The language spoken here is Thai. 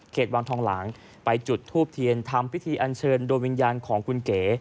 วังทองหลางไปจุดทูบเทียนทำพิธีอันเชิญโดยวิญญาณของคุณเก๋